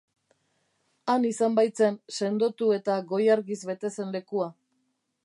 Han izan baitzen sendotu eta goi argiz bete zen lekua.